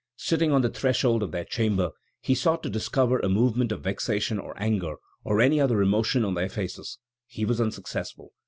Sitting on the threshold of their chamber, he sought to discover a movement of vexation or anger, or any other emotion on their faces. He was unsuccessful.